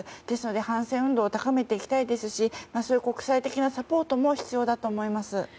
ですので反戦運動を高めていきたいですしそういう国際的なサポートも必要だと思います。